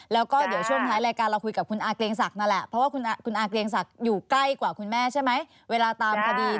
แล้วก็ช่วงท้ายรายการนี้เราจะคุยกับอากเกรงศักดิ์นะแหละโอเค๓๕๔๐๐๙๙